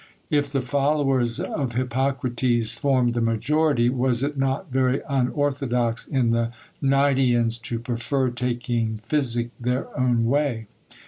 If the followers of Hippocrates formed the majority, was it not very unorthodox in the Gnidians to prefer taking physic their own way?